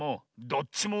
どっちも？